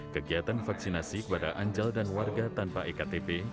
kegiatan vaksinasi kepada anjal dan warga tanpa ektp